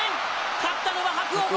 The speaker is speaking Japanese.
勝ったのは伯桜鵬。